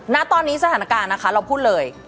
ณตอนนี้สถานการณ์นะคะเราพูดเลย